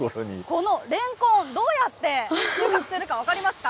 このレンコン、どうやって収穫するか分かりますか。